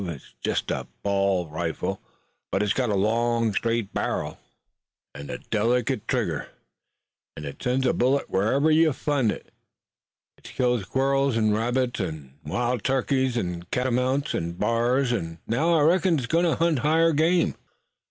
It's jest a cap an' ball rifle, but it's got a long, straight barrel an' a delicate trigger, an' it sends a bullet wherever you p'int it. It's killed squirrels, an' rabbits, an' wil' turkeys an' catamounts, an' b'ars, an' now I reckon it's goin' to hunt higher game."